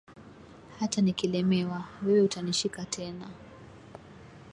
Hata nikilemewa, wewe utanishika tena.